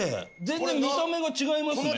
全然見た目が違いますね